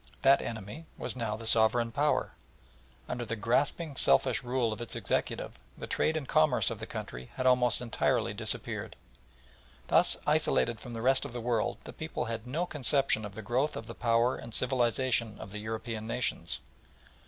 That enemy was now the sovereign Power, and under the grasping, selfish rule of its executive the trade and commerce of the country had almost entirely disappeared, and thus isolated from the rest of the world the people had no conception of the growth of the power and civilisation of the European nations.